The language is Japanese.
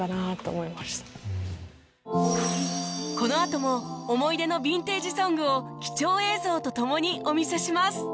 このあとも思い出のヴィンテージ・ソングを貴重映像と共にお見せします